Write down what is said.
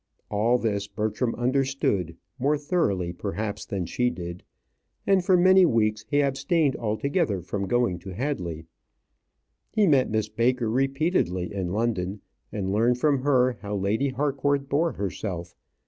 All this Bertram understood, more thoroughly, perhaps, than she did; and for many weeks he abstained altogether from going to Hadley. He met Miss Baker repeatedly in London, and learned from her how Lady Harcourt bore herself.